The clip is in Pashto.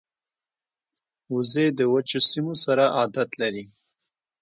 وزې د وچو سیمو سره عادت لري